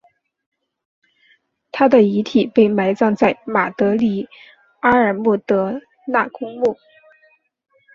她的遗体被埋葬在马德里阿尔穆德纳公墓。